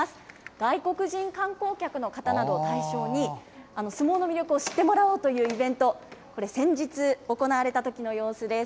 外国人観光客の方などを対象に、相撲の魅力を知ってもらおうというイベント、これ、先日、行われたときの様子です。